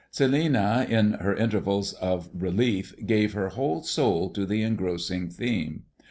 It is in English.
Celinina in her intervals of relief gave her whole soul to the engrossing theme.